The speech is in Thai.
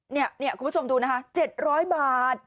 เนี่ยเนี่ยคุณผู้ชมดูนะคะเจ็ดร้อยบาท